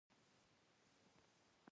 اوبښتي د سره غونډ په غره کي دي.